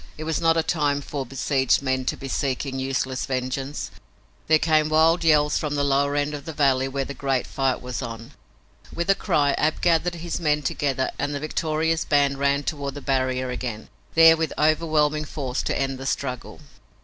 It was not a time for besieged men to be seeking useless vengeance. There came wild yells from the lower end of the valley where the greater fight was on. With a cry Ab gathered his men together and the victorious band ran toward the barrier again, there with overwhelming force to end the struggle.